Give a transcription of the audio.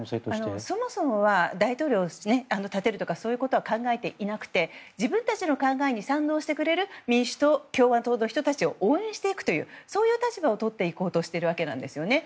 そもそもは大統領を立てるとかそういうことは考えていなくて自分たちの考えに賛同してくれる民主党、共和党の人たちを応援していくというそういう立場をとっていこうとしているわけなんですよね。